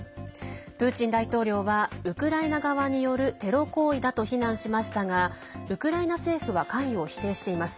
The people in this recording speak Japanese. プーチン大統領はウクライナ側によるテロ行為だと非難しましたがウクライナ政府は関与を否定しています。